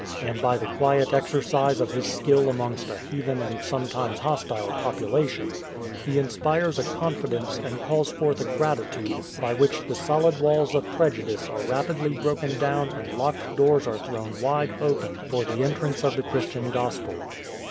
And by the quiet exercise of his skill amongst a heathen and sometimes hostile population, he inspires a confidence and calls forth a gratitude by which the solid walls of prejudice are rapidly broken down and locked doors are thrown wide open for the entrance of the Christian Gospel.